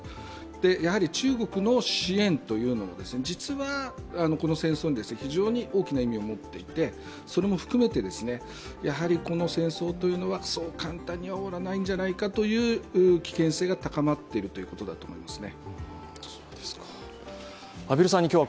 やはり中国の支援というのを実はこの戦争に非常に大きな意味を持っていて、それも含めてこの戦争というのは、そう簡単には終わらないんじゃないかという危険性が高まっているということだと思いますね。